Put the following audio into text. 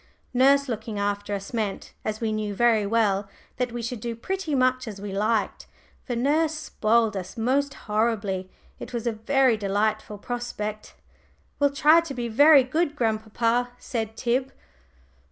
Nurse looking after us meant, as we knew very well, that we should do pretty much as we liked; for nurse spoiled us most horribly. It was a very delightful prospect. "We'll try to be very good, grandpapa," said Tib.